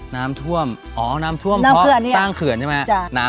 น้ำท่วมอ๋อน้ำท่วมเพราะเขื่อนสร้างเขื่อนใช่ไหม